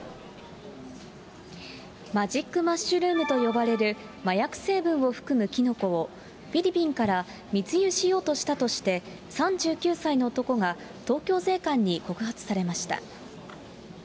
マジックマッシュルームと呼ばれる、麻薬成分を含むキノコを、フィリピンから密輸しようとしたとして、３９歳の男が東京税関に告発されました。